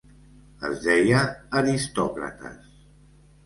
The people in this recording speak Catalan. Es deia "Aristòcrates".